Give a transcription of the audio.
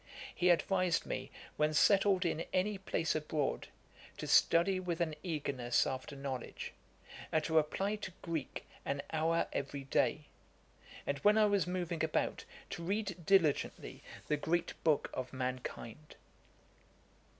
He advised me, when settled in any place abroad, to study with an eagerness after knowledge, and to apply to Greek an hour every day; and when I was moving about, to read diligently the great book of mankind.